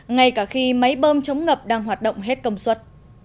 ngay cả khi máy bơm chống ngập đang hoạt động hết công suất